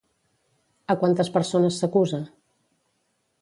A quantes persones s'acusa?